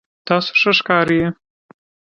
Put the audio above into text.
تاسو ښه ښکارئ